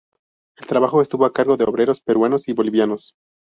El trabajo estuvo a cargo de obreros peruanos y bolivianos.